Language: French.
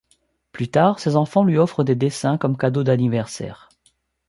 Plus tard, ses enfants lui offrent des dessins comme cadeaux d'anniversaire.